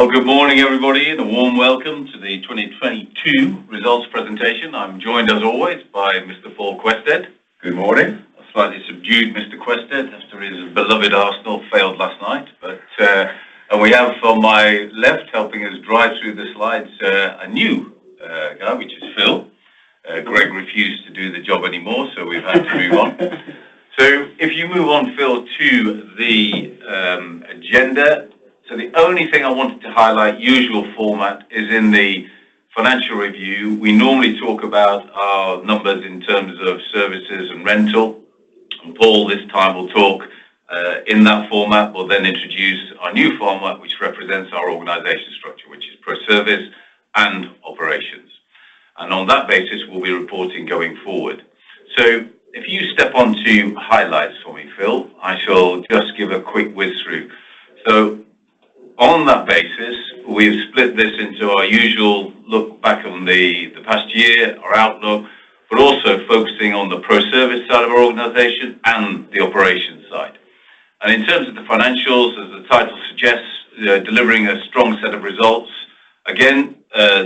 Well, good morning, everybody, and a warm welcome to the 2022 results presentation. I'm joined as always by Mr. Paul Quested. Good morning. A slightly subdued Mr. Quested as to his beloved Arsenal failed last night and we have on my left helping us drive through the slides, a new guy, which is Phil. Greg refused to do the job anymore, so we've had to move on. If you move on, Phil, to the agenda. The only thing I wanted to highlight, usual format, is in the financial review. We normally talk about our numbers in terms of services and rental, and Paul this time will talk, in that format. We'll then introduce our new format, which represents our organizational structure, which is ProService and Operations. On that basis, we'll be reporting going forward. If you step on to highlights for me, Phil, I shall just give a quick whiz through. On that basis, we've split this into our usual look back on the past year, our outlook, but also focusing on the ProService side of our organization and the Operations side. In terms of the financials, as the title suggests, delivering a strong set of results. Again,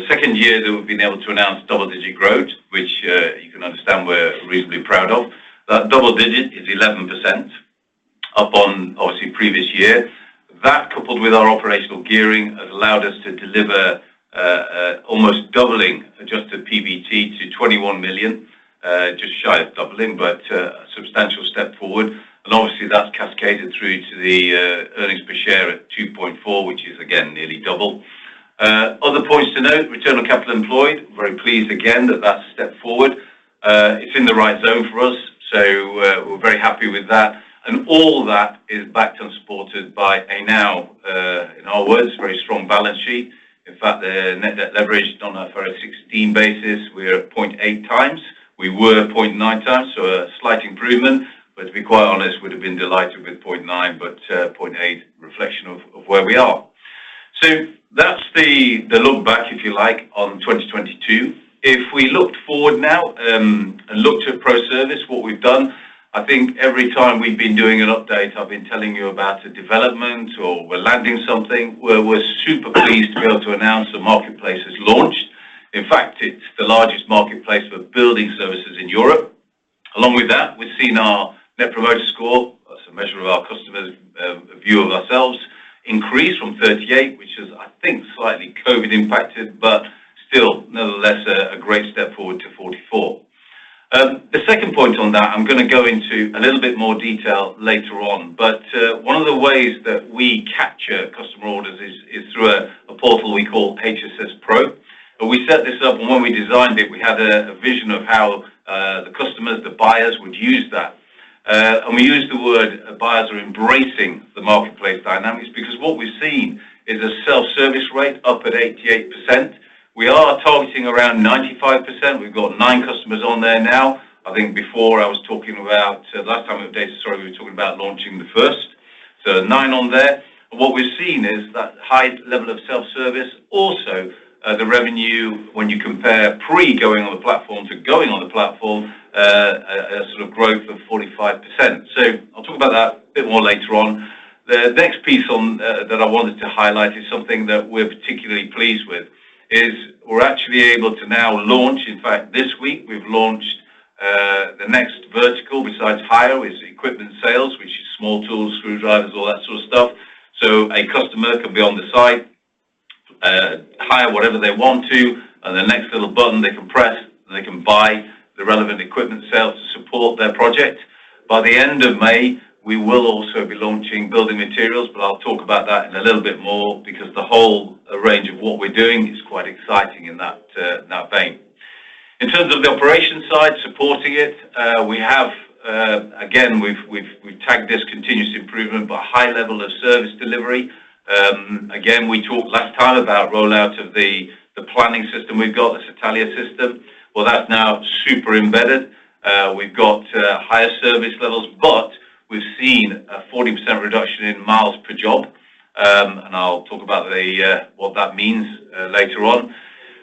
second year that we've been able to announce double-digit growth, which, you can understand we're reasonably proud of. That double digit is 11% up on obviously previous year. That, coupled with our operational gearing, has allowed us to deliver almost doubling Adjusted PBT to 21 million, just shy of doubling, but a substantial step forward. Obviously that's cascaded through to the earnings per share at 2.4, which is, again, nearly double. Other points to note, return on capital employed. Very pleased again that that's a step forward. It's in the right zone for us, so we're very happy with that. All that is backed and supported by a now, in our words, very strong balance sheet. In fact, the net debt leverage on an IFRS 16 basis, we're at 0.8x. We were 0.9x, so a slight improvement, but to be quite honest, would have been delighted with 0.9. 0.8, reflection of where we are. That's the look back, if you like, on 2022. If we looked forward now, and looked at ProService, what we've done, I think every time we've been doing an update, I've been telling you about a development or we're landing something. We're super pleased to be able to announce the marketplace has launched. In fact, it's the largest marketplace for building services in Europe. Along with that, we've seen our Net Promoter Score, as a measure of our customers' view of ourselves, increase from 38, which is, I think, slightly COVID impacted, but still nonetheless a great step forward to 44. The second point on that, I'm gonna go into a little bit more detail later on, but one of the ways that we capture customer orders is through a portal we call HSS Pro. We set this up, and when we designed it, we had a vision of how the customers, the buyers would use that. We use the word buyers are embracing the marketplace dynamics because what we've seen is a self-service rate up at 88%. We are targeting around 95%. We've got nine customers on there now. I think before I was talking about last time we updated, sorry, we were talking about launching the first. Nine on there. What we've seen is that high level of self-service, also, the revenue when you compare pre-going on the platform to going on the platform, a sort of growth of 45%. I'll talk about that a bit more later on. The next piece that I wanted to highlight is something that we're particularly pleased with, is we're actually able to now launch. In fact, this week we've launched, the next vertical besides hire is equipment sales, which is small tools, screwdrivers, all that sort of stuff. A customer can be on the site, hire whatever they want to, and the next little button they can press, and they can buy the relevant equipment sales to support their project. By the end of May, we will also be launching building materials, I'll talk about that in a little bit more because the whole range of what we're doing is quite exciting in that, in that vein. In terms of the operation side supporting it, we have, again, we've tagged this continuous improvement, but high level of service delivery. Again, we talked last time about rollout of the planning system we've got, the Satalia system. That's now super embedded. We've got, higher service levels, but we've seen a 40% reduction in miles per job. I'll talk about the what that means later on.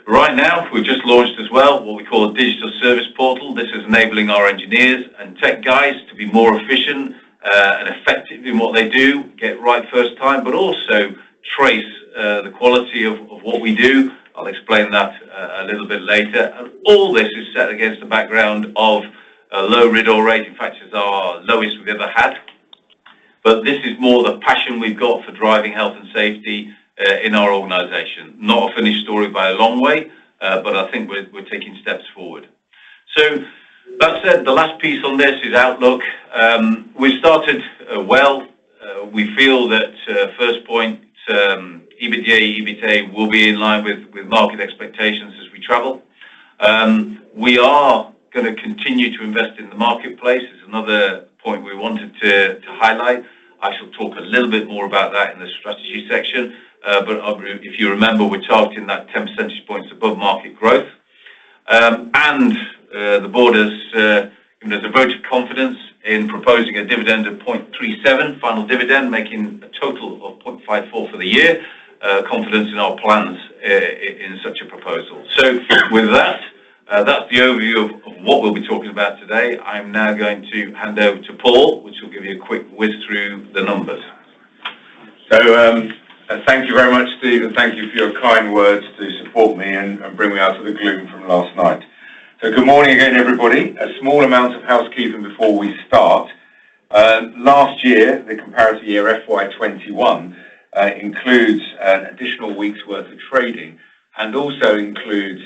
Right now, we've just launched as well what we call a Digital Service Portal. This is enabling our engineers and tech guys to be more efficient and effective in what they do, get it right first time, but also trace the quality of what we do. I'll explain that a little bit later. All this is set against the background of a low RIDDOR rate. In fact, it's our lowest we've ever had. This is more the passion we've got for driving health and safety in our organization. Not a finished story by a long way, but I think we're taking steps forward. That said, the last piece on this is outlook. We started well. We feel that first point, EBITDA, EBITA will be in line with market expectations as we travel. We are gonna continue to invest in the marketplace. It's another point we wanted to highlight. I shall talk a little bit more about that in the strategy section. If you remember, we're targeting that 10 percentage points above market growth. The board has, you know, has a vote of confidence in proposing a dividend of 0.37 final dividend, making a total of 0.54 for the year, confidence in our plans in such a proposal. With that's the overview of what we'll be talking about today. I'm now going to hand over to Paul, which will give you a quick whiz through the numbers. Thank you very much, Steve, and thank you for your kind words to support me and bring me out of the gloom from last night. Good morning again, everybody. A small amount of housekeeping before we start. Last year, the comparative year, FY 21, includes an additional week's worth of trading, and also includes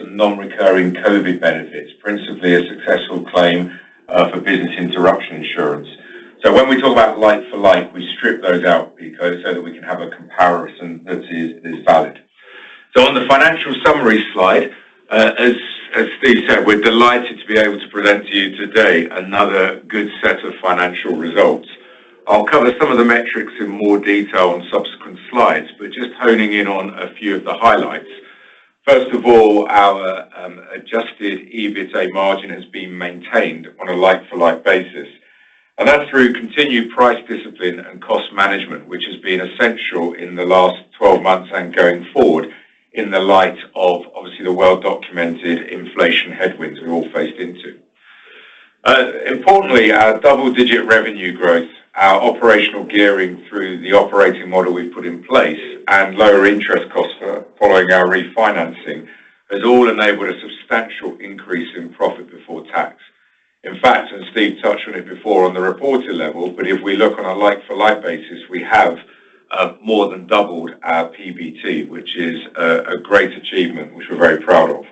some non-recurring COVID benefits, principally a successful claim for business interruption insurance. When we talk about like-for-like, we strip those out so that we can have a comparison that is valid. On the financial summary slide, as Steve said, we're delighted to be able to present to you today another good set of financial results. I'll cover some of the metrics in more detail on subsequent slides, but just honing in on a few of the highlights. First of all, our Adjusted EBITA margin has been maintained on a like-for-like basis. That's through continued price discipline and cost management, which has been essential in the last 12 months and going forward in the light of obviously the well-documented inflation headwinds we all faced into. Importantly, our double-digit revenue growth, our operational gearing through the operating model we've put in place, and lower interest costs following our refinancing, has all enabled a substantial increase in profit before tax. In fact, Steve touched on it before on the reported level, but if we look on a like-for-like basis, we have more than doubled our PBT, which is a great achievement which we're very proud of.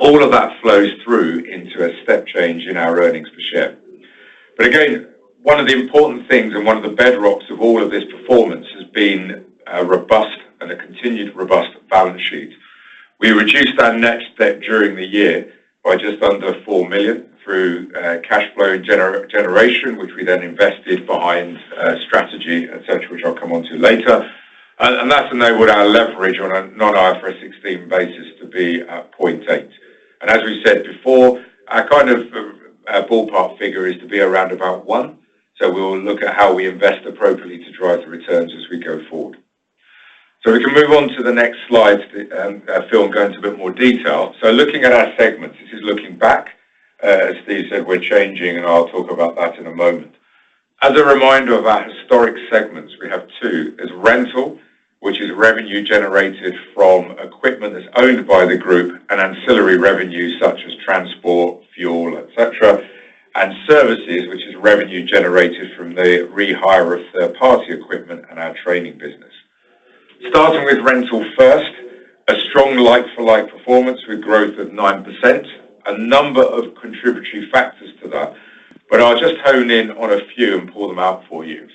All of that flows through into a step change in our earnings per share. Again, one of the important things and one of the bedrocks of all of this performance has been a robust and a continued robust balance sheet. We reduced our net debt during the year by just under 4 million through cash flow generation, which we then invested behind strategy, et cetera, which I'll come onto later. That's enabled our leverage on a non-IFRS 16 basis to be at 0.8. As we said before, our kind of ballpark figure is to be around about one, so we will look at how we invest appropriately to drive the returns as we go forward. If we move on to the next slide, Phil can go into a bit more detail. Looking at our segments. This is looking back. As Steve said, we're changing, and I'll talk about that in a moment. As a reminder of our historic segments, we have two. There's rental, which is revenue generated from equipment that's owned by the group and ancillary revenues such as transport, fuel, et cetera. Services, which is revenue generated from the rehire of third-party equipment and our training business. Starting with rental first, a strong like-for-like performance with growth of 9%. A number of contributory factors to that, but I'll just hone in on a few and pull them out for you.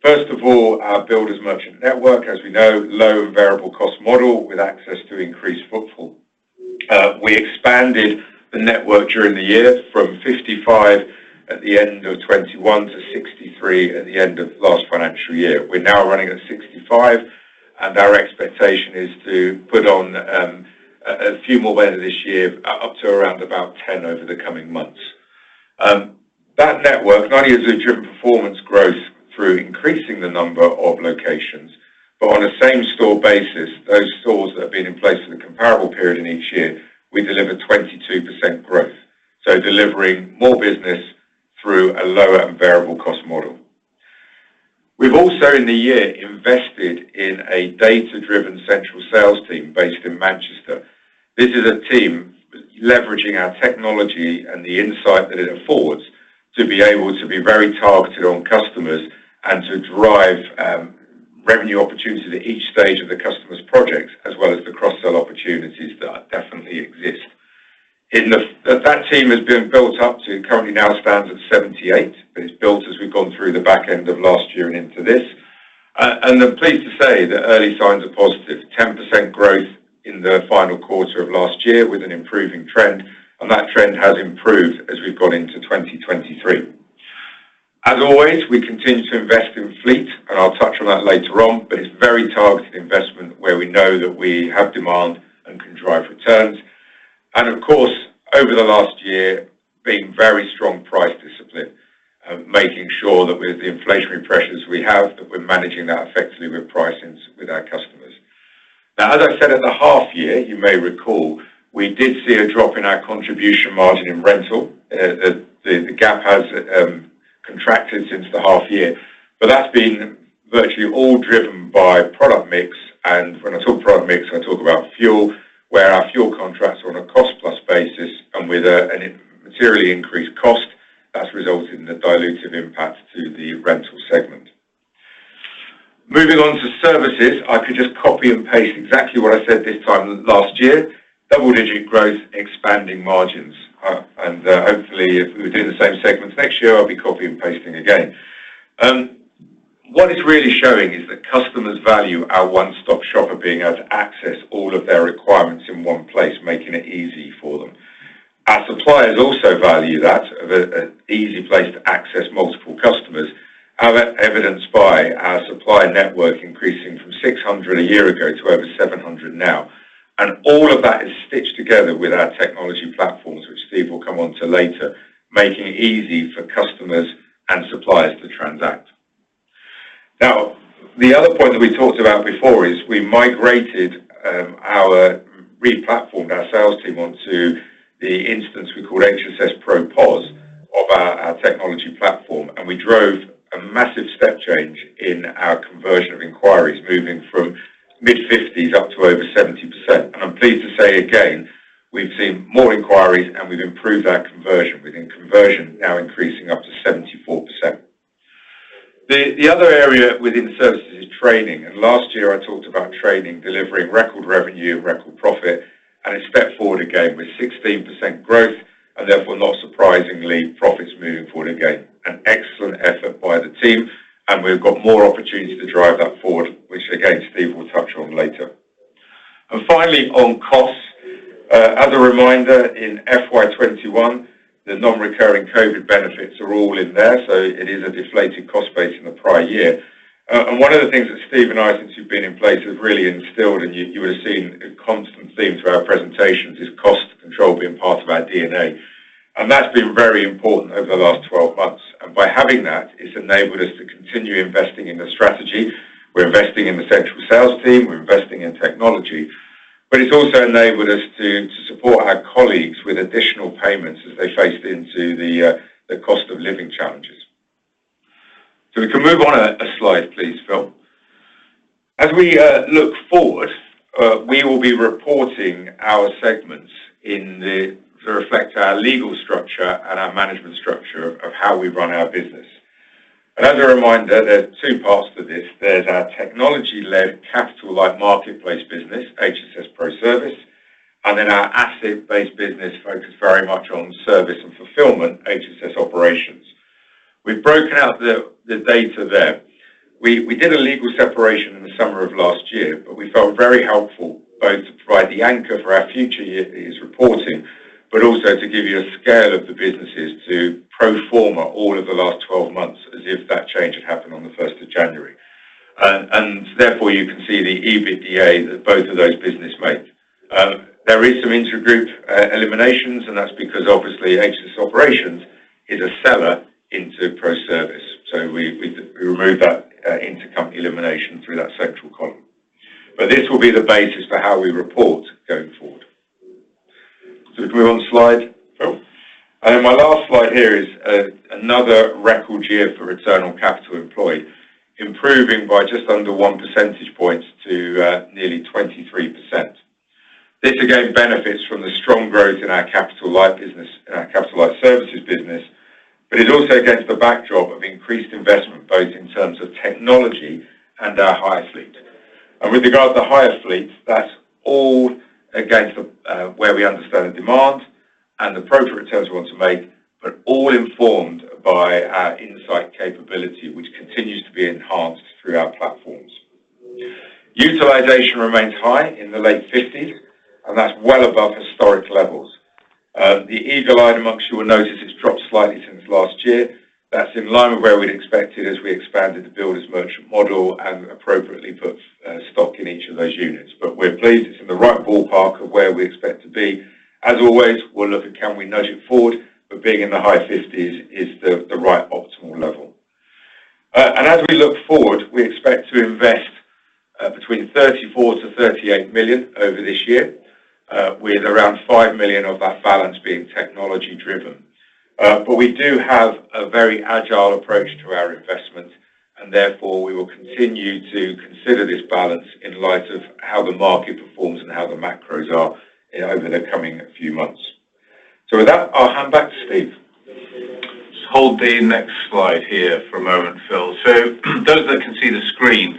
First of all, our builders merchant network, as we know, low and variable cost model with access to increased footfall. We expanded the network during the year from 55 at the end of 2021 to 63 at the end of last financial year. We're now running at 65, and our expectation is to put on a few more weather this year, up to around about 10 over the coming months. That network not only has it driven performance growth through increasing the number of locations, but on a same-store basis, those stores that have been in place in the comparable period in each year, we delivered 22% growth. Delivering more business through a lower and variable cost model. We've also in the year invested in a data-driven central sales team based in Manchester. This is a team leveraging our technology and the insight that it affords to be able to be very targeted on customers and to drive revenue opportunity at each stage of the customer's project, as well as the cross-sell opportunities that definitely exist. That team has been built up to currently now stands at 78, but it's built as we've gone through the back end of last year and into this. I'm pleased to say the early signs are positive. 10% growth in the final quarter of last year with an improving trend, and that trend has improved as we've gone into 2023. As always, we continue to invest in fleet, and I'll touch on that later on, but it's very targeted investment where we know that we have demand and can drive returns. Of course, over the last year, been very strong price discipline, making sure that with the inflationary pressures we have, that we're managing that effectively with pricings with our customers. As I said at the half year, you may recall, we did see a drop in our contribution margin in rental. The gap has contracted since the half year. That's been virtually all driven by product mix. When I talk product mix, I talk about fuel, where our fuel contracts are on a cost-plus basis and with an materially increased cost that's resulting in a dilutive impact to the rental segment. Moving on to services, I could just copy and paste exactly what I said this time last year. Double-digit growth, expanding margins. Hopefully, if we were doing the same segments next year, I'll be copy and pasting again. What it's really showing is that customers value our one-stop shop of being able to access all of their requirements in one place, making it easy for them. Our suppliers also value that, the easy place to access multiple customers. Evidenced by our supplier network increasing from 600 a year ago to over 700 now. All of that is stitched together with our technology platforms, which Steve will come on to later, making it easy for customers and suppliers to transact. Other point that we talked about before is we migrated, replatformed our sales team onto the instance we call HSS Pro POS of our technology platform, and we drove a massive step change in our conversion of inquiries, moving from mid-50s up to over 70%. I'm pleased to say again, we've seen more inquiries, and we've improved our conversion, with conversion now increasing up to 74%. Other area within services is training. Last year, I talked about training delivering record revenue and record profit, it stepped forward again with 16% growth and therefore, not surprisingly, profits moving forward again. An excellent effort by the team, we've got more opportunities to drive that forward, which, again, Steve will touch on later. Finally, on costs, as a reminder, in FY 2021, the non-recurring COVID benefits are all in there, so it is a deflated cost base in the prior year. One of the things that Steve and I, since you've been in place, has really instilled, you have seen a constant theme through our presentations, is cost control being part of our DNA. That's been very important over the last 12 months. By having that, it's enabled us to continue investing in the strategy. We're investing in the central sales team, we're investing in technology, it's also enabled us to support our colleagues with additional payments as they faced into the cost of living challenges. We can move on a slide, please, Phil. As we look forward, we will be reporting our segments to reflect our legal structure and our management structure of how we run our business. As a reminder, there's two parts to this. There's our technology-led capital, like marketplace business, HSS ProService, and then our asset-based business focused very much on service and fulfillment, HSS Operations. We've broken out the data there. We did a legal separation in the summer of last year, but we felt very helpful both to provide the anchor for our future years reporting, but also to give you a scale of the businesses to pro forma all of the last 12 months as if that change had happened on the 1st of January. Therefore, you can see the EBITDA that both of those business made. There is some intergroup eliminations, and that's because obviously HSS Operations is a seller into HSS ProService. We remove that intercompany elimination through that central column. This will be the basis for how we report going forward. If we move on slide, Phil. Then my last slide here is another record year for return on capital employed, improving by just under 1 percentage point to nearly 23%. This, again, benefits from the strong growth in our capital light business, in our capital light services business, but it also against the backdrop of increased investment, both in terms of technology and our hire fleet. With regard to hire fleets, that's all against the where we understand the demand and the appropriate returns we want to make, but all informed by our insight capability, which continues to be enhanced through our platforms. Utilization remains high in the late 50s, that's well above historic levels. The eagle-eyed amongst you will notice it's dropped slightly since last year. That's in line with where we'd expect it as we expanded the builders merchant model and appropriately put stock in each of those units. We're pleased it's in the right ballpark of where we expect to be. As always, we'll look at can we nudge it forward, but being in the high 50s is the right optimal level. As we look forward, we expect to invest between 34 million-38 million over this year, with around 5 million of that balance being technology-driven. We do have a very agile approach to our investment, and therefore we will continue to consider this balance in light of how the market performs and how the macros are over the coming few months. With that, I'll hand back to Steve. Just hold the next slide here for a moment, Phil. Those that can see the screen,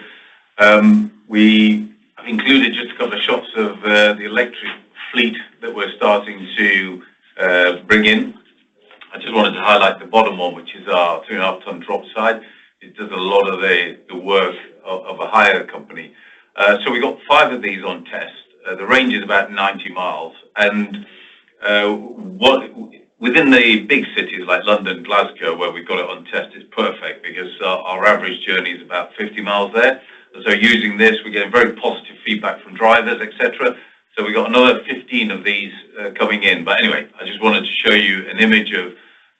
we have included just a couple shots of the electric fleet that we're starting to bring in. I just wanted to highlight the bottom one, which is our 2.5 ton drop side. It does a lot of the work of a hire company. We got five of these on test. The range is about 90 miles. Within the big cities like London, Glasgow, where we've got it on test, it's perfect because our average journey is about 50 miles there. Using this, we're getting very positive feedback from drivers, etc. We got another 15 of these coming in. Anyway, I just wanted to show you an image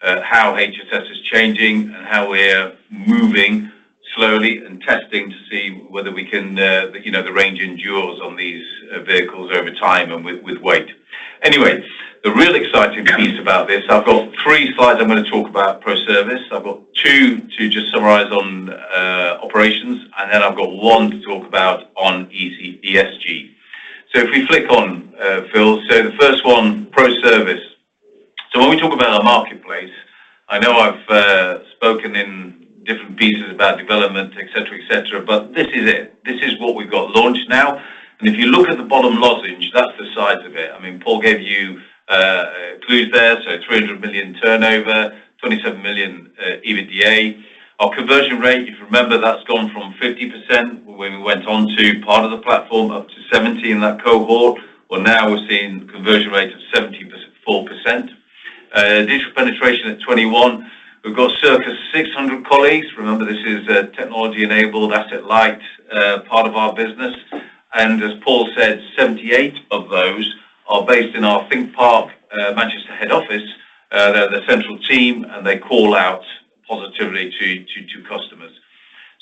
of how HSS is changing and how we're moving slowly and testing to see whether we can, you know, the range endures on these vehicles over time and with weight. Anyway, the real exciting piece about this, I've got three slides I'm gonna talk about ProService. I've got two to just summarize on Operations, and then I've got one to talk about on ESG. If we flick on Phil. The first one, Pro Service. When we talk about our marketplace, I know I've spoken in different pieces about development, etc., etc., but this is it. This is what we've got launched now. If you look at the bottom lozenge, that's the size of it. I mean, Paul gave you clues there. 300 million turnover, 27 million EBITDA. Our conversion rate, if you remember, that's gone from 50% when we went onto part of the platform up to 70% in that cohort. Now we're seeing conversion rate of 74%. Digital penetration at 21%. We've got circa 600 colleagues. Remember, this is a technology-enabled, asset-light part of our business. As Paul said, 78 of those are based in our Think Park, Manchester head office. They're central team, they call out positively to customers.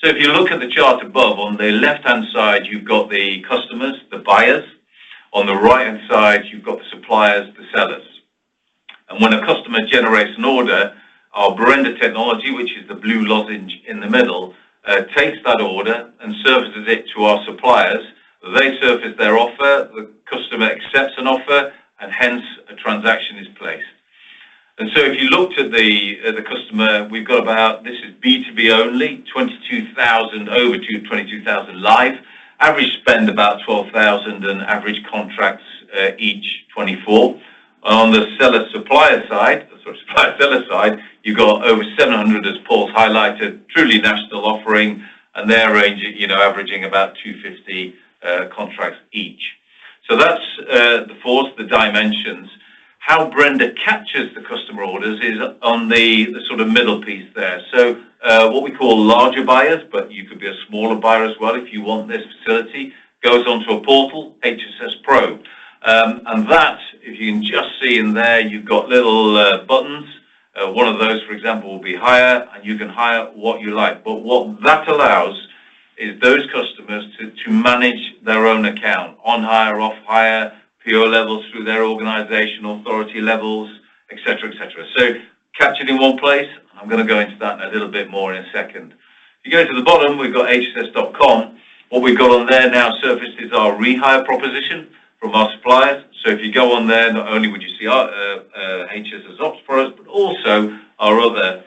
If you look at the chart above, on the left-hand side, you've got the customers, the buyers. On the right-hand side, you've got the suppliers, the sellers. When a customer generates an order, our Brenda technology, which is the blue lozenge in the middle, takes that order and services it to our suppliers. They surface their offer, the customer accepts an offer, and hence a transaction is placed. If you looked at the customer, we've got about... This is B2B only, over 22,000 live. Average spend about 12,000, and average contracts, each, 24. On the seller supplier side—Sorry, supplier seller side, you've got over 700, as Paul's highlighted, truly national offering, and they're ranging, you know, averaging about 250 contracts each. That's the fourth, the dimensions. How Brenda captures the customer orders is on the sort of middle piece there. What we call larger buyers, but you could be a smaller buyer as well if you want this facility, goes onto a portal, HSS Pro and that, if you can just see in there, you've got little buttons. One of those, for example, will be hire. You can hire what you like. What that allows is those customers to manage their own account on hire, off hire, PO levels through their organizational authority levels, et cetera, et cetera. Captured in one place, I'm gonna go into that a little bit more in a second. If you go to the bottom, we've got hss.com. What we've got on there now surfaces our rehire proposition from our suppliers. If you go on there, not only would you see our HSS ops pros, but also our other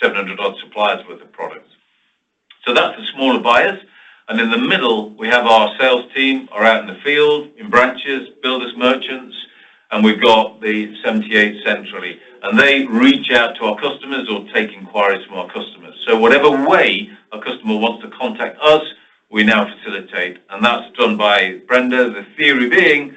700 odd suppliers with the products. That's the smaller buyers. In the middle, we have our sales team are out in the field, in branches, builders, merchants, and we've got the 78 centrally. They reach out to our customers or take inquiries from our customers. Whatever way a customer wants to contact us, we now facilitate, and that's done by Brenda. The theory being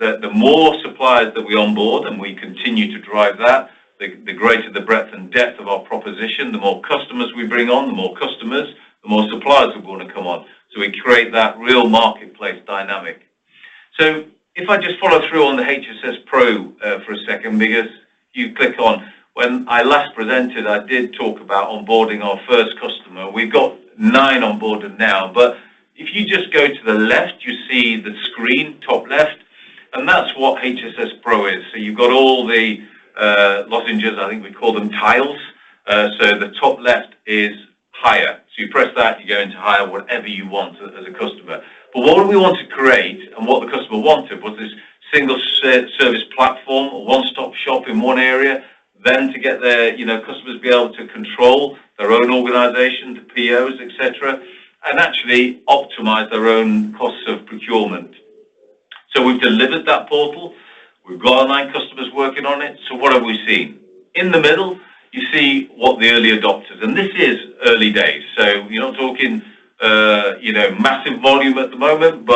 that the more suppliers that we onboard, and we continue to drive that, the greater the breadth and depth of our proposition, the more customers we bring on. The more customers, the more suppliers are gonna come on. We create that real marketplace dynamic. If I just follow through on the HSS Pro for a second because you click on... When I last presented, I did talk about onboarding our first customer. We've got nine onboarded now. If you just go to the left, you see the screen, top left, and that's what HSS Pro is. You've got all the lozenges, I think we call them tiles. The top left is hire. You press that, you go into hire, whatever you want as a customer. What we want to create and what the customer wanted was this single service platform or one-stop shop in one area, then to get their, you know, customers be able to control their own organization, the POs, et cetera, and actually optimize their own costs of procurement. We've delivered that portal. We've got our nine customers working on it. What have we seen? In the middle, you see what the early adopters... This is early days, so you're not talking, you know, massive volume at the moment.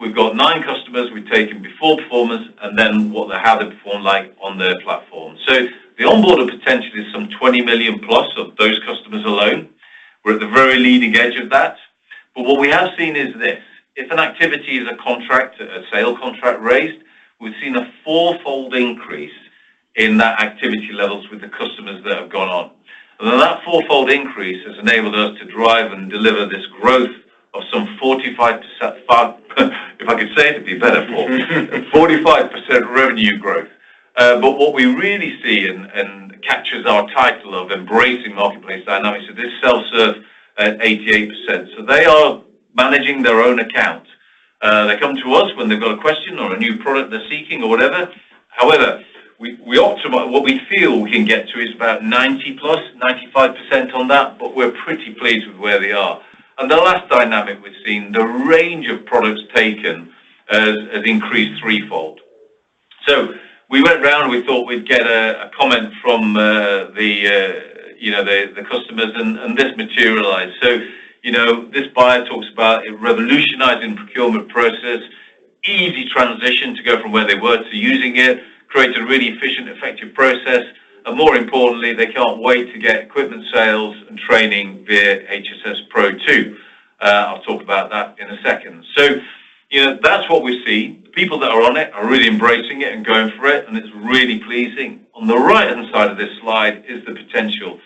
We've got nine customers, we've taken before performance and then how they performed like on the platform. The onboarded potential is some 20+ million of those customers alone. We're at the very leading edge of that. What we have seen is this. If an activity is a contract, a sale contract raised, we've seen a fourfold increase in that activity levels with the customers that have gone on. That fourfold increase has enabled us to drive and deliver this growth of some 45% revenue growth. What we really see and catches our title of embracing marketplace dynamics is this self-serve at 88%. They are managing their own account. They come to us when they've got a question or a new product they're seeking or whatever. However, what we feel we can get to is about 90%+, 95% on that, but we're pretty pleased with where we are. The last dynamic we've seen, the range of products taken has increased threefold. We went round, and we thought we'd get a comment from the, you know, the customers, and this materialized. You know, this buyer talks about it revolutionizing procurement process, easy transition to go from where they were to using it, creates a really efficient, effective process, and more importantly, they can't wait to get equipment sales and training via HSS Pro two. I'll talk about that in a second. You know, that's what we see. The people that are on it are really embracing it and going for it, and it's really pleasing. On the right-hand side of this slide is the potential.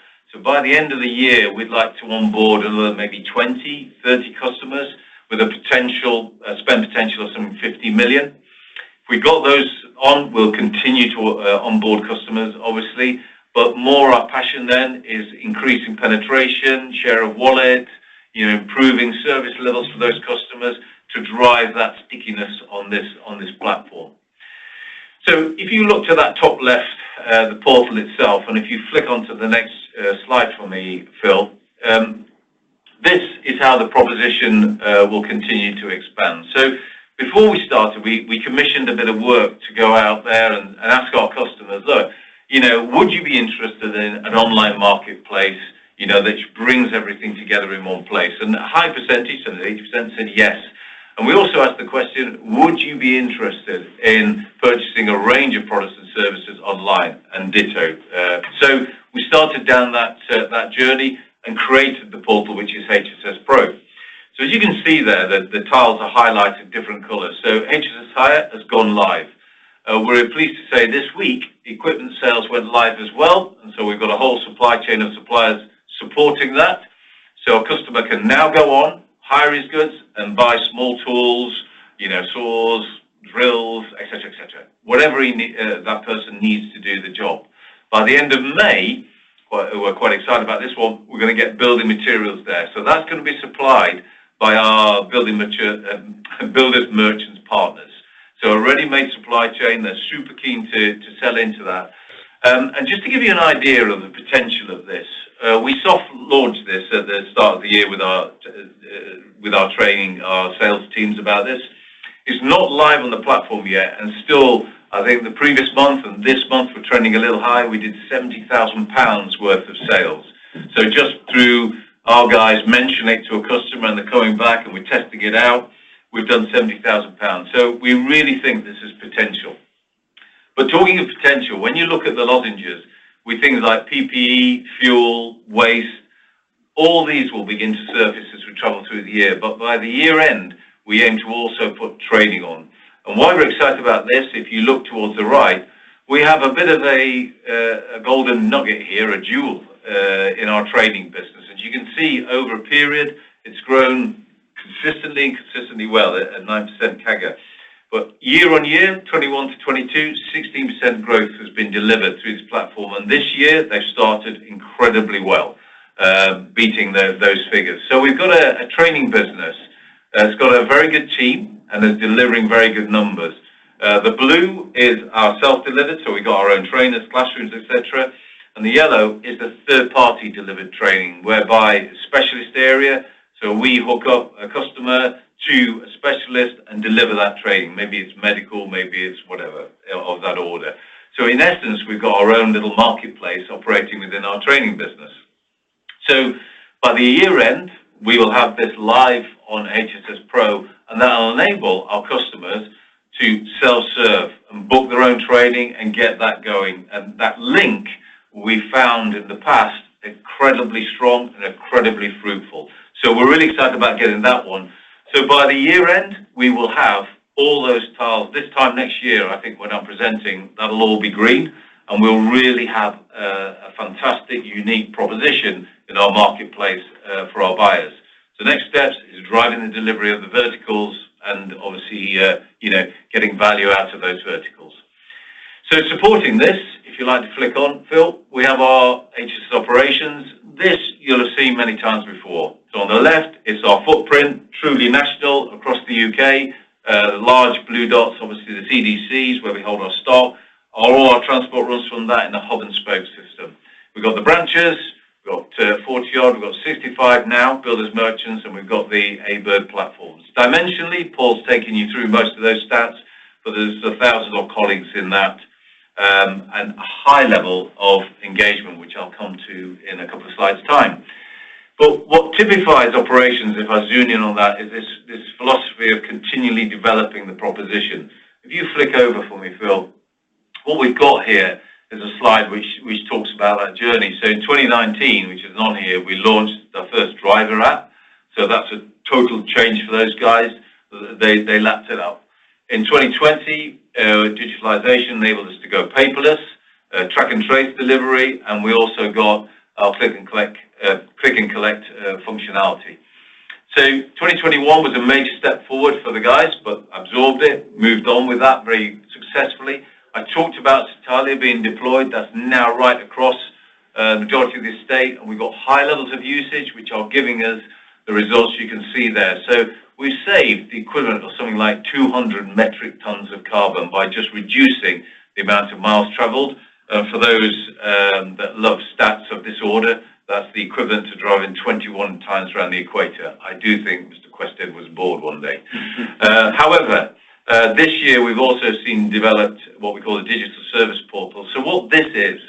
By the end of the year, we'd like to onboard another maybe 20, 30 customers with a potential, spend potential of some 50 million. If we got those on, we'll continue to onboard customers, obviously. More our passion then is increasing penetration, share of wallet, you know, improving service levels for those customers to drive that stickiness on this platform. If you look to that top left, the portal itself, and if you flick onto the next slide for me, Phil, this is how the proposition will continue to expand. Before we started, we commissioned a bit of work to go out there and ask our customers, "Look, you know, would you be interested in an online marketplace, you know, that brings everything together in one place?" A high percentage, sort of 80% said yes. We also asked the question, "Would you be interested in purchasing a range of products and services online, on Ditto?" We started down that journey and created the portal, which is HSS Pro. As you can see there that the tiles are highlighted different colors. HSS Hire has gone live. We're pleased to say this week, equipment sales went live as well. We've got a whole supply chain of suppliers supporting that. A customer can now go on, hire his goods, and buy small tools, you know, saws, drills, et cetera, et cetera. Whatever that person needs to do the job. By the end of May, we're quite excited about this one, we're gonna get building materials there. That's gonna be supplied by our builders merchant, builders merchants partners. A ready-made supply chain that's super keen to sell into that. Just to give you an idea of the potential of this, we soft launched this at the start of the year with our, with our training, our sales teams about this. It's not live on the platform yet, and still, I think the previous month and this month, we're trending a little high. We did 70,000 pounds worth of sales. Just through our guys mentioning it to a customer, and they're coming back, and we're testing it out, we've done 70,000 pounds. We really think this has potential. Talking of potential, when you look at the lozenges, with things like PPE, fuel, waste, all these will begin to surface as we travel through the year. By the year-end, we aim to also put trading on. Why we're excited about this, if you look towards the right, we have a bit of a golden nugget here, a jewel in our trading business. As you can see, over a period, it's grown consistently and consistently well at 9% CAGR. Year-on-year, 2021-2022, 16% growth has been delivered through this platform, and this year, they've started incredibly well, beating those figures. We've got a training business that's got a very good team and is delivering very good numbers. The blue is our self-delivered, so we've got our own trainers, classrooms, et cetera. The yellow is the third-party delivered training whereby specialist area, so we hook up a customer to a specialist and deliver that training. Maybe it's medical, maybe it's whatever of that order. In essence, we've got our own little marketplace operating within our training business. By the year-end, we will have this live on HSS Pro, and that'll enable our customers to self-serve and book their own training and get that going. That link we found in the past incredibly strong and incredibly fruitful. We're really excited about getting that one. By the year-end, we will have all those tiles. This time next year, I think when I'm presenting, that'll all be green, and we'll really have a fantastic, unique proposition in our marketplace for our buyers. Next steps is driving the delivery of the verticals and obviously, you know, getting value out of those verticals. Supporting this, if you'd like to flick on, Phil, we have our HSS Operations. This you'll have seen many times before. On the left is our footprint, truly national across the U.K. The large blue dots, obviously the CDCs, where we hold our stock. All our transport runs from that in a hub-and-spoke system. We've got the branches. We've got 40-odd. We've got 65 now, builders merchants, and we've got the ABird platforms. Dimensionally, Paul's taken you through most of those stats, there's thousands of colleagues in that, and a high level of engagement, which I'll come to in a couple of slides' time. What typifies Operations, if I zoom in on that, is this philosophy of continually developing the proposition. You flick over for me, Phil, what we've got here is a slide which talks about our journey. In 2019, which is not here, we launched the first driver app. That's a total change for those guys. They lapped it up. In 2020, digitalization enabled us to go paperless, track and trace delivery, and we also got our click and collect functionality. 2021 was a major step forward for the guys, but absorbed it, moved on with that very successfully. I talked about Satalia being deployed. That's now right across majority of the estate, and we've got high levels of usage, which are giving us the results you can see there. We've saved the equivalent of something like 200 metric tons of carbon by just reducing the amount of miles traveled. For those that love stats of this order, that's the equivalent to driving 21x around the equator. I do think Mr. Quested was bored one day. However, this year, we've also seen developed what we call the Digital Service Portal. What this is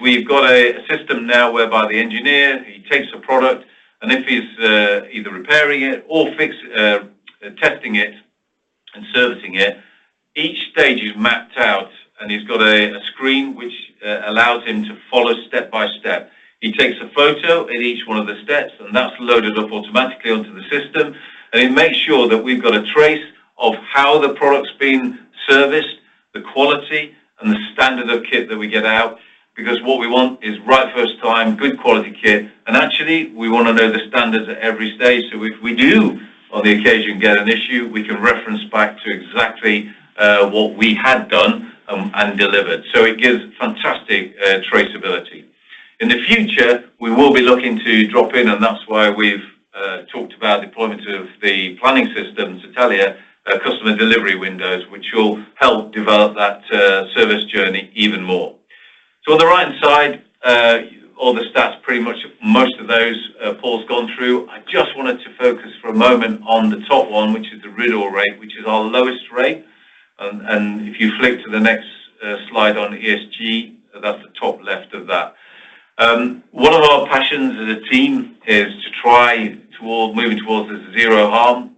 we've got a system now whereby the engineer, he takes the product, and if he's either repairing it or testing it and servicing it, each stage is mapped out, and he's got a screen which allows him to follow step by step. He takes a photo in each one of the steps, and that's loaded up automatically onto the system. It makes sure that we've got a trace of how the product's been serviced, the quality, and the standard of kit that we get out because what we want is right first time, good quality kit. Actually, we wanna know the standards at every stage, so if we do on the occasion get an issue, we can reference back to exactly what we had done and delivered. It gives fantastic traceability. In the future, we will be looking to drop in, and that's why we've talked about deployment of the planning system, Satalia, customer delivery windows, which will help develop that service journey even more. On the right-hand side, all the stats, pretty much most of those Paul's gone through. I just wanted to focus for a moment on the top one, which is the RIDDOR rate, which is our lowest rate. If you flick to the next slide on ESG, that's the top left of that. One of our passions as a team is to try moving towards this zero harm.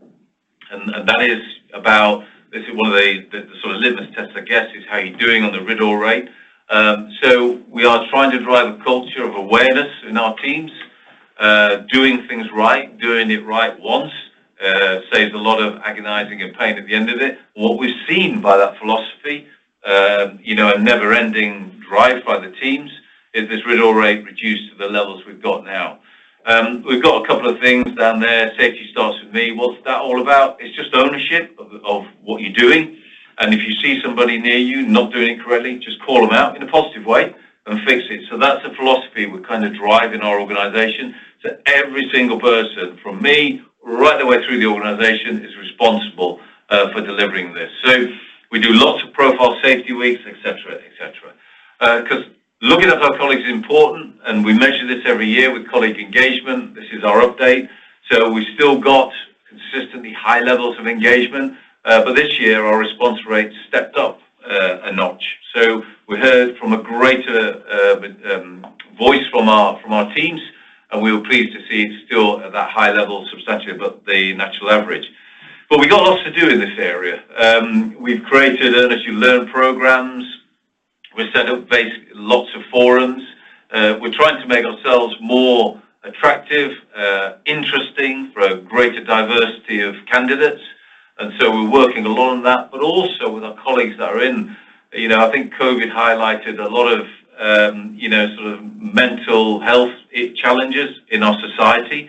About this is one of the sort of litmus tests, I guess, is how you're doing on the RIDDOR rate. So we are trying to drive a culture of awareness in our teams. Doing things right, doing it right once, saves a lot of agonizing and pain at the end of it. What we've seen by that philosophy, you know, a never-ending drive by the teams, is this RIDDOR rate reduced to the levels we've got now. We've got a couple of things down there. Safety starts with me. What's that all about? It's just ownership of what you're doing, and if you see somebody near you not doing it correctly, just call 'em out in a positive way and fix it. That's the philosophy we kinda drive in our organization, every single person from me right the way through the organization is responsible for delivering this. We do lots of profile safety weeks, et cetera, et cetera. 'Cause looking after our colleagues is important, and we measure this every year with colleague engagement. This is our update. We still got consistently high levels of engagement, but this year, our response rates stepped up a notch. We heard from a greater voice from our teams, and we were pleased to see it's still at that high level, substantive of the natural average. We got lots to do in this area. We've created earn as you learn programs. We've set up lots of forums. We're trying to make ourselves more attractive, interesting for a greater diversity of candidates, and so we're working a lot on that, but also with our colleagues that are in. You know, I think COVID highlighted a lot of, you know, sort of mental health challenges in our society.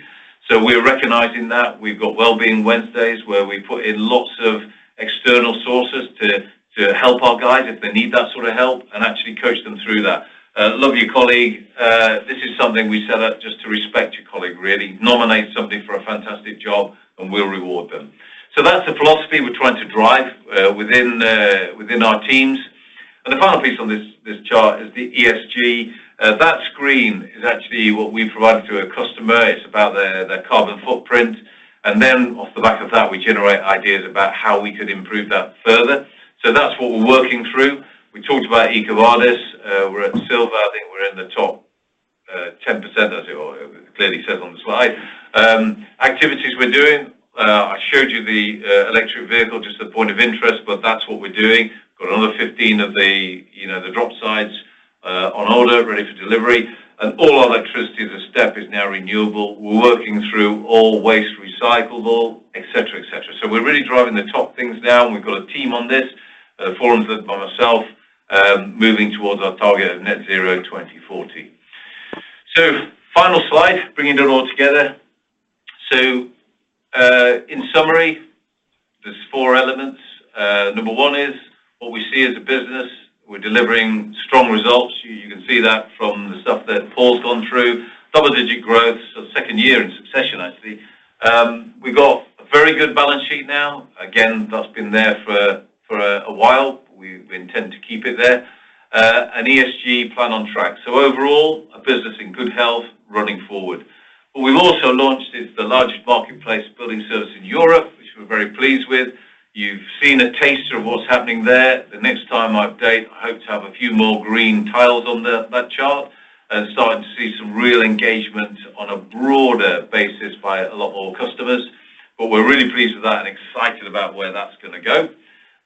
We're recognizing that. We've got Wellbeing Wednesdays, where we put in lots of external sources to help our guys if they need that sort of help and actually coach them through that. Love a colleague, this is something we set up just to respect your colleague, really. Nominate somebody for a fantastic job, and we'll reward them. That's the philosophy we're trying to drive within our teams. The final piece on this chart is the ESG. That screen is actually what we provided to a customer. It's about their carbon footprint. Then off the back of that, we generate ideas about how we could improve that further. That's what we're working through. We talked about EcoVadis. We're at silver. I think we're in the top, 10% as it clearly says on the slide. Activities we're doing, I showed you the electric vehicle just as a point of interest, but that's what we're doing. Got another 15 of the, you know, the drop sides on order, ready for delivery. All our electricity as a step is now renewable. We're working through all waste recyclable, et cetera, et cetera. We're really driving the top things now, and we've got a team on this, formed by myself, moving towards our target of Net Zero 2040. Final slide, bringing it all together. In summary, there's four elements. Number one is what we see as a business, we're delivering strong results. You can see that from the stuff that Paul's gone through. Double-digit growth, second year in succession actually. We've got a very good balance sheet now. Again, that's been there for a while. We intend to keep it there. ESG plan on track. Overall, a business in good health running forward. What we've also launched is the largest marketplace building service in Europe, which we're very pleased with. You've seen a taster of what's happening there. The next time I update, I hope to have a few more green tiles on that chart and starting to see some real engagement on a broader basis by a lot more customers. We're really pleased with that and excited about where that's gonna go.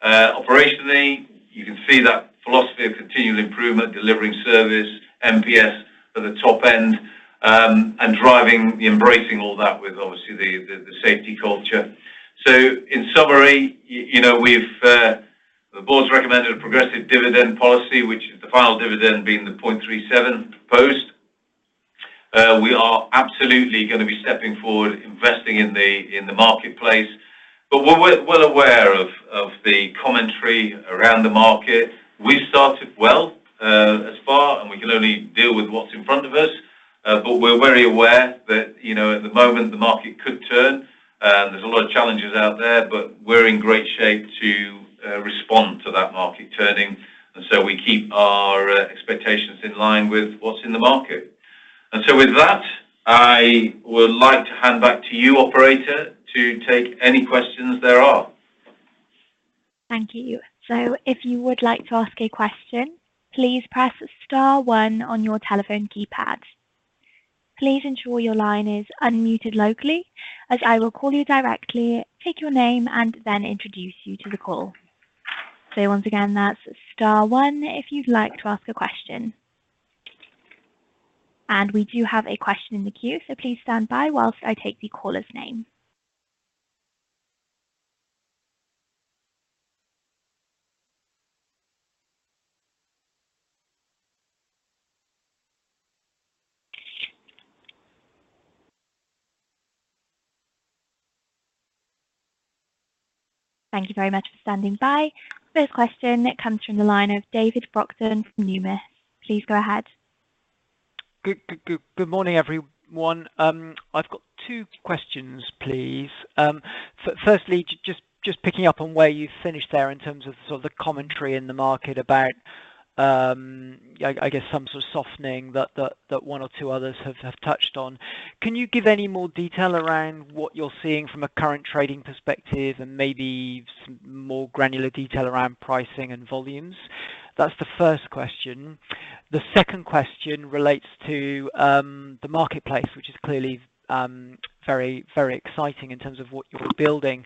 Operationally, you can see that philosophy of continual improvement, delivering service, NPS at the top end, and driving the embracing all that with obviously the safety culture. In summary, you know, we've, the board's recommended a progressive dividend policy, which the final dividend being the 0.37 proposed. We are absolutely gonna be stepping forward, investing in the marketplace, but we're well aware of the commentary around the market. We've started well, thus far, we can only deal with what's in front of us. We're very aware that, you know, at the moment, the market could turn. There's a lot of challenges out there, but we're in great shape to respond to that market turning. We keep our expectations in line with what's in the market. With that, I would like to hand back to you, operator, to take any questions there are. Thank you. If you would like to ask a question, please press star one on your telephone keypad. Please ensure your line is unmuted locally, as I will call you directly, take your name, and then introduce you to the call. Once again, that's star one if you'd like to ask a question. We do have a question in the queue, so please stand by whilst I take the caller's name. Thank you very much for standing by. First question, it comes from the line of David Brockton from Numis. Please go ahead. Good morning, everyone. I've got two questions, please. Firstly, just picking up on where you finished there in terms of sort of the commentary in the market about, I guess some sort of softening that one or two others have touched on. Can you give any more detail around what you're seeing from a current trading perspective and maybe some more granular detail around pricing and volumes? That's the first question. The second question relates to the marketplace, which is clearly very, very exciting in terms of what you're building.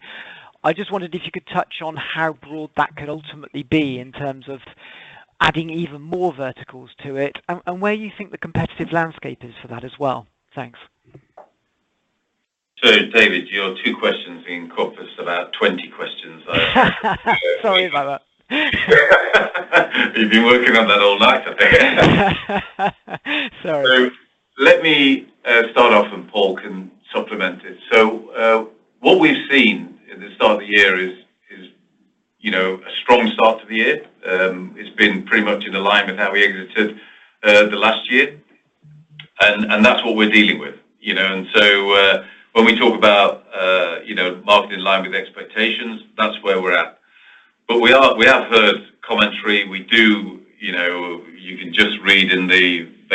I just wondered if you could touch on how broad that could ultimately be in terms of adding even more verticals to it and where you think the competitive landscape is for that as well. Thanks. David, your two questions encompass about 20 questions. Sorry about that. You've been working on that all night, I bet. Sorry. Let me start off, and Paul can supplement it. What we've seen at the start of the year is, you know, a strong start to the year. It's been pretty much in alignment how we exited the last year, and that's what we're dealing with, you know. When we talk about, you know, market in line with expectations, that's where we're at. We have heard commentary. We do, you know. You can just read in the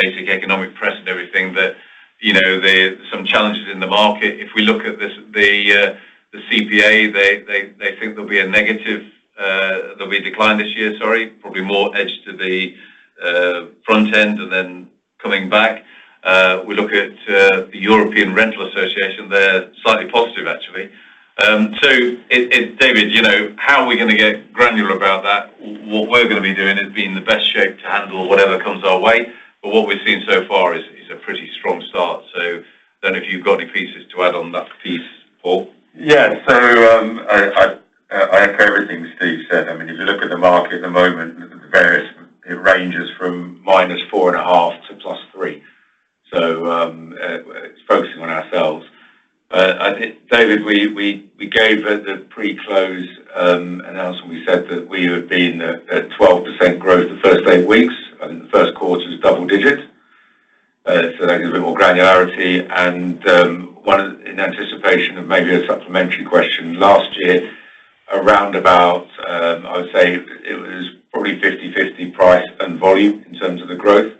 basic economic press and everything that, you know, there are some challenges in the market. If we look at this, the CPA, they think there'll be a negative, there'll be a decline this year, sorry. Probably more edged to the front end and then coming back. We look at the European Rental Association. They're slightly positive, actually. David, you know, how are we gonna get granular about that? What we're gonna be doing is be in the best shape to handle whatever comes our way. What we've seen so far is a pretty strong start. Don't know if you've got any pieces to add on that piece, Paul. Yeah. I echo everything Steve said. I mean, if you look at the market at the moment, various, it ranges from -4.5%-+3%. Focusing on ourselves, I think, David, we gave at the pre-close announcement, we said that we had been at 12% growth the first eight weeks, and the first quarter was double-digit. That gives you a bit more granularity and, in anticipation of maybe a supplementary question, last year, around about, I would say it was probably 50/50 price and volume in terms of the growth.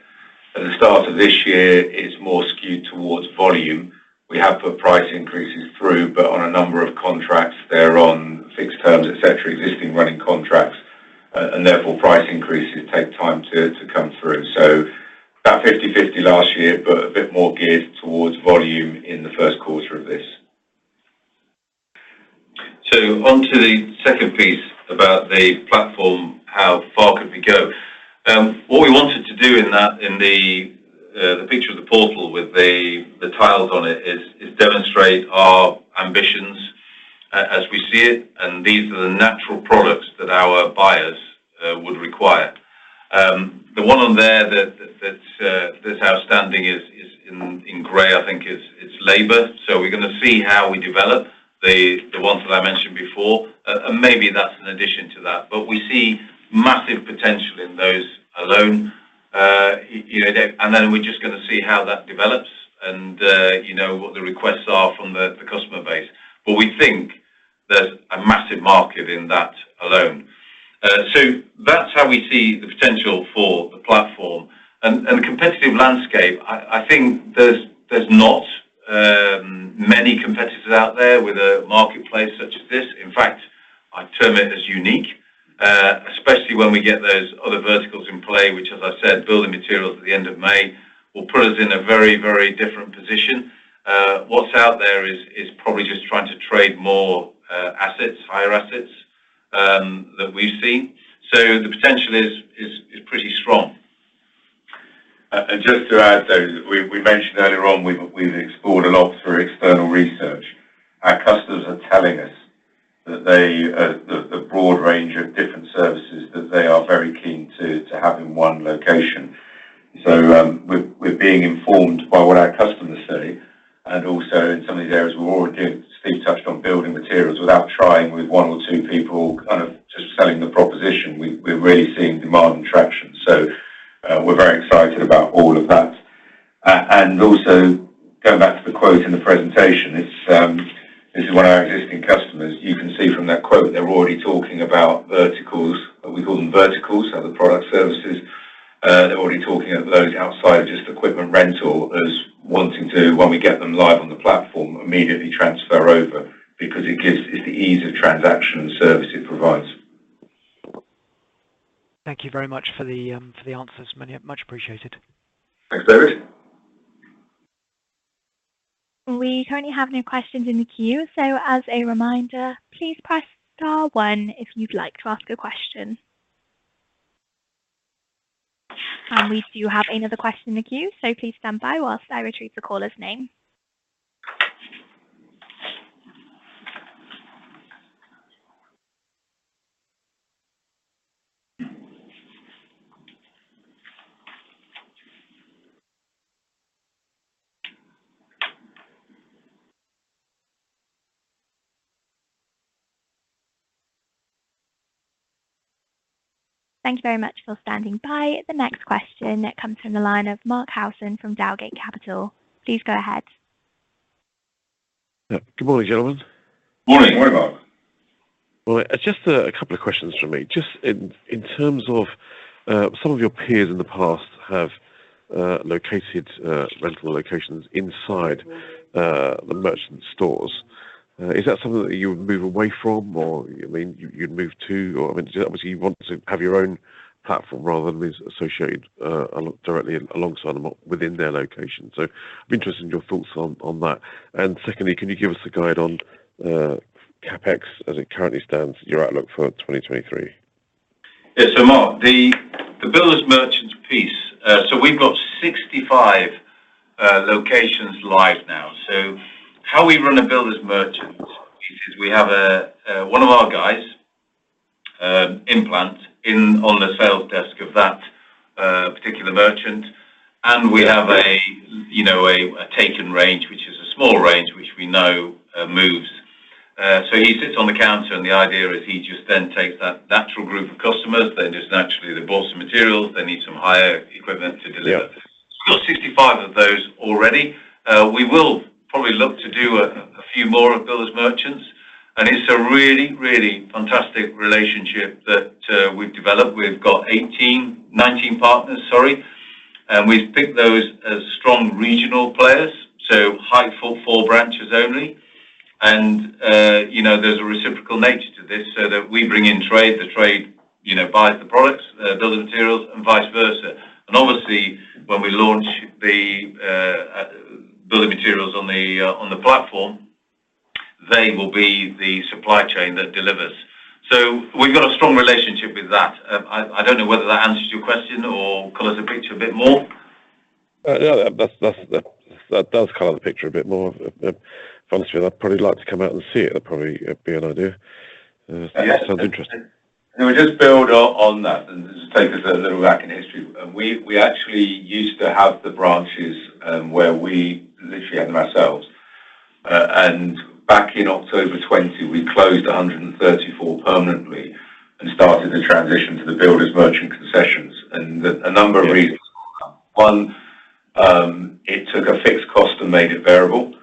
At the start of this year, it's more skewed towards volume. We have put price increases through, but on a number of contracts, they're on fixed terms, et cetera, existing running contracts. Therefore, price increases take time to come through. About 50/50 last year, but a bit more geared towards volume in the first quarter of this. On to the second piece about the platform, how far could we go? What we wanted to do in that, in the picture of the portal with the tiles on it is demonstrate our ambitions as we see it, and these are the natural products that our buyers would require. The one on there that's outstanding is in gray, I think is labor. We're gonna see how we develop the ones that I mentioned before. Maybe that's an addition to that, but we see massive potential in those alone. You know, and then we're just gonna see how that develops and, you know, what the requests are from the customer base. We think there's a massive market in that alone. That's how we see the potential for the platform and the competitive landscape. I think there's not many competitors out there with a marketplace such as this. In fact, I term it as unique, especially when we get those other verticals in play, which as I said, building materials at the end of May, will put us in a very, very different position. What's out there is probably just trying to trade more assets, higher assets that we've seen. The potential is pretty strong. Just to add to those, we mentioned earlier on, we've explored a lot through external research. Our customers are telling us that the broad range of different services that they are very keen to have in one location. We're being informed by what our customers say and also in some of these areas we're already doing. Steve touched on building materials. Without trying with one or two people kind of just selling the proposition, we're really seeing demand and traction. We're very excited about all of that. Also, going back to the quote in the presentation, this is one of our existing customers. You can see from that quote, they're already talking about verticals. We call them verticals, so the product services. They're already talking of those outside of just equipment rental as wanting to, when we get them live on the platform, immediately transfer over because It's the ease of transaction and service it provides. Thank you very much or the answers. Much appreciated. Thanks, David. We currently have no questions in the queue. As a reminder, please press star one if you'd like to ask a question. We do have another question in the queue, please stand by while I retrieve the caller's name. Thank you very much for standing by. The next question, it comes from the line of Mark Howson from Dowgate Capital. Please go ahead. Yeah. Good morning, gentlemen. Morning. Morning, Mark. Well, just a couple of questions from me. Just in terms of some of your peers in the past have located rental locations inside the merchant stores. Is that something that you would move away from or, I mean, you'd move to? I mean, obviously you want to have your own platform rather than be associated directly alongside them within their location. I'd be interested in your thoughts on that. Secondly, can you give us a guide on CapEx as it currently stands, your outlook for 2023? Mark, the builders' merchant piece. We've got 65 locations live now. How we run a builders' merchant is we have one of our guys implant in on the sales desk of that particular merchant. We have a, you know, a taken range, which is a small range, which we know moves. He sits on the counter, and the idea is he just then takes that natural group of customers. They just naturally. They bought some materials. They need some hire equipment to deliver. We've got 65 of those already. We will probably look to do a few more of builders' merchants, it's a really, really fantastic relationship that we've developed. We've got 18, 19 partners, sorry, we've picked those as strong regional players, so high footfall branches only. You know, there's a reciprocal nature to this so that we bring in trade. The trade, you know, buys the products, building materials, and vice versa. Obviously, when we launch the building materials on the platform, they will be the supply chain that delivers. We've got a strong relationship with that. I don't know whether that answers your question or colors the picture a bit more. Yeah. That does color the picture a bit more. Honestly, I'd probably like to come out and see it. That'd probably be an idea. Yes. It sounds interesting. Can we just build on that and just take us a little back in history? We actually used to have the branches, where we literally had them ourselves. Back in October 2020, we closed 134 permanently and started the transition to the builders' merchant concessions. There a number of reasons for that. One, it took a fixed cost and made it variable,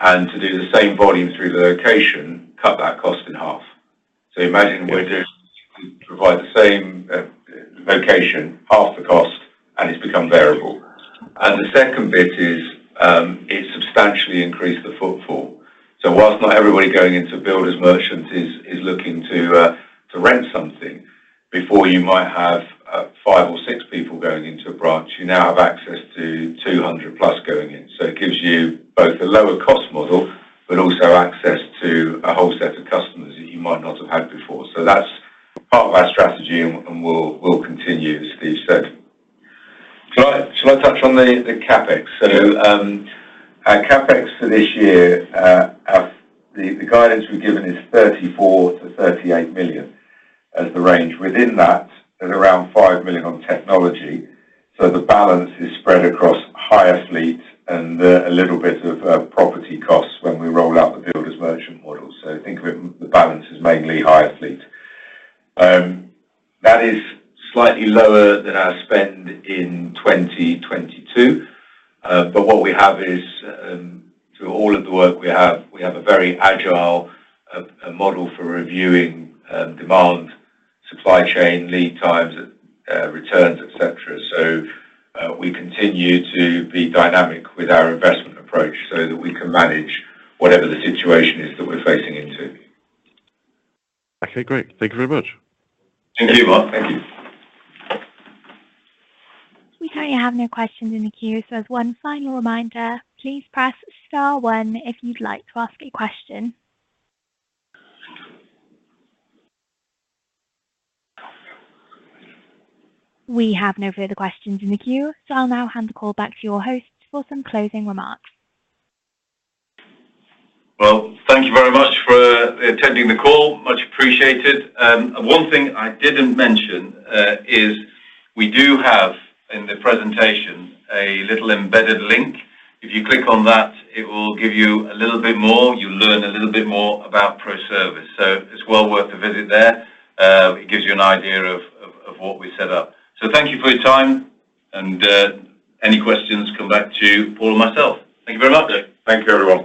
and to do the same volume through the location cut that cost in half. Imagine we're doing to provide the same, location, half the cost, and it's become variable. The second bit is, it substantially increased the footfall. Whilst not everybody going into builders' merchants is looking to rent something, before you might have five or six people going into a branch, you now have access to 200+ going in. It gives you both a lower cost model but also access to a whole set of customers that you might not have had before. That's part of our strategy and will continue, as Steve said. Shall I touch on the CapEx? Our CapEx for this year, the guidance we've given is 34 million-38 million as the range. Within that, at around 5 million on technology, so the balance is spread across hire fleet and a little bit of property costs when we roll out the builders' merchant model. Think of it, the balance is mainly hire fleet. That is slightly lower than our spend in 2022. What we have is, through all of the work we have, we have a very agile model for reviewing demand, supply chain, lead times, returns, et cetera. We continue to be dynamic with our investment approach so that we can manage whatever the situation is that we're facing into. Okay. Great. Thank you very much. Thank you, Mark. Thank you. We currently have no questions in the queue, so as one final reminder, please press star one if you'd like to ask a question. We have no further questions in the queue, so I'll now hand the call back to your host for some closing remarks. Well, thank you very much for attending the call. Much appreciated. One thing I didn't mention is we do have, in the presentation, a little embedded link. If you click on that, it will give you a little bit more. You'll learn a little bit more about ProService. It's well worth a visit there. It gives you an idea of what we've set up. Thank you for your time, and any questions, come back to Paul or myself. Thank you very much. Thank you, everyone.